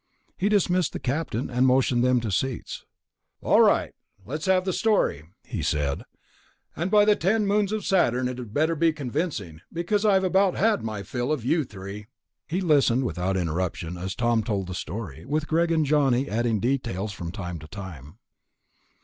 He dismissed the Captain, and motioned them to seats. "All right, let's have the story," he said, "and by the ten moons of Saturn it had better be convincing, because I've about had my fill of you three." He listened without interruption as Tom told the story, with Greg and Johnny adding details from time to time.